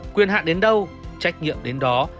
quyền hạng đến đâu trách nhiệm đến đó